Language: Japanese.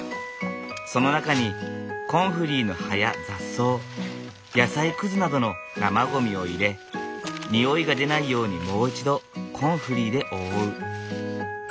その中にコンフリーの葉や雑草野菜くずなどの生ゴミを入れ臭いが出ないようにもう一度コンフリーで覆う。